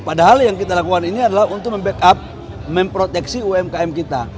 padahal yang kita lakukan ini adalah untuk membackup memproteksi umkm kita